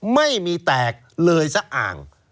ไม่มีแตกเลยสะอ่าง